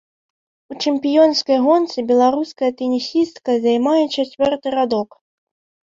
У чэмпіёнскай гонцы беларуская тэнісістка займае чацвёрты радок.